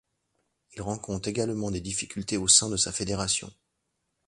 Il rencontre également des difficultés au sein de sa fédération.